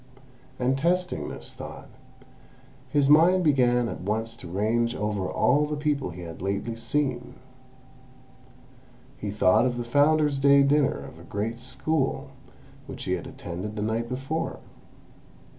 And testing this thought, his mind began at once to range over all the people he had lately seen. He thought of the Founder's Day dinner of a great School, which he had attended the night before.